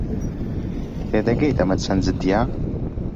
تێدەگەیت ئەمە چەند جددییە؟